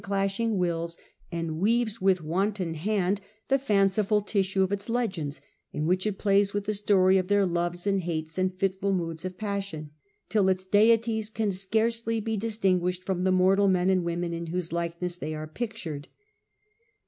clashing wills, and weaves with wanton hand the fanciful tissue of its legends, in which it plays with the story of their loves and hates and fitful moods of passion, till its deities can scarcely be distinguished from the mortal men and women in whose likeness they are pictured.